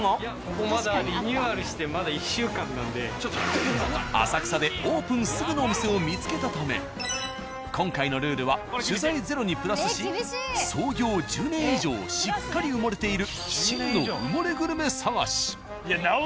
ここまだ浅草でオープンすぐのお店を見つけたため今回のルールは取材ゼロにプラスし創業１０年以上しっかり埋もれている。